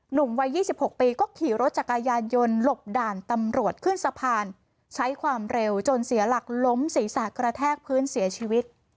หนุ่มวัย๒๖ปีก็ขี่รถจักรยานยนต์หลบด่านตำรวจขึ้นสะพานใช้ความเร็วจนเสียหลักล้มศีรษะกระแทกพื้นเสียชีวิต